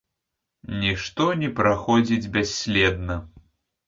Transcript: Нішто не праходзіць бясследна.